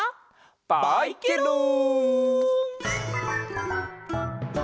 バイケロン！